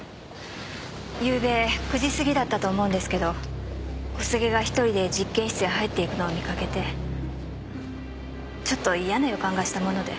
ゆうべ９時過ぎだったと思うんですけど小菅が１人で実験室へ入っていくのを見かけてちょっと嫌な予感がしたもので。